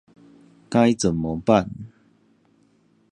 該怎麼辦